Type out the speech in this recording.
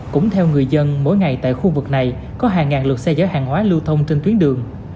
cũng theo người dân mỗi ngày tại khu vực này có hàng ngàn lượt xe chở hàng hóa lưu thông trên tuyến đường